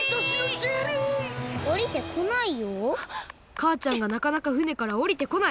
かあちゃんがなかなかふねからおりてこない。